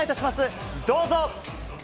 どうぞ。